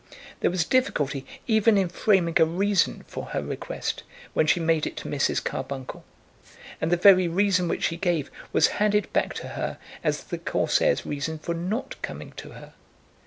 There was difficulty even in framing a reason for her request, when she made it to Mrs. Carbuncle; and the very reason which she gave was handed back to her as the Corsair's reason for not coming to her.